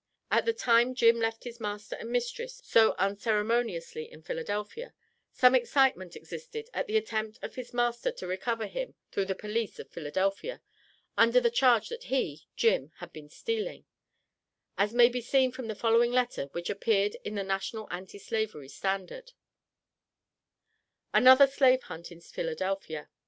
At the time Jim left his master and mistress so unceremoniously in Philadelphia, some excitement existed at the attempt of his master to recover him through the Police of Philadelphia, under the charge that he (Jim) had been stealing, as may be seen from the following letter which appeared in the "National Anti Slavery Standard:" ANOTHER SLAVE HUNT IN PHILADELPHIA.